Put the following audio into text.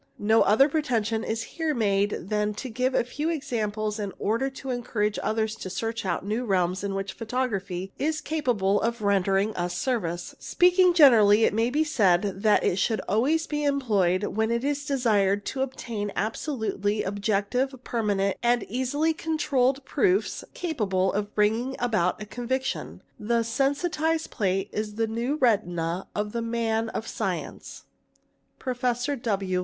No other pretention is here made than to give a few examples in order j0 encourage others to search out new realms in which photography is capable of rendering us service. Speaking generally it may be said that it should always be employed when it is desired to obtain absolutely Objective, permanent, and easily controlled proofs capable of bringing ; a bout a conviction : the sensitized plate is the new retina of the man of os cience (Prof. W.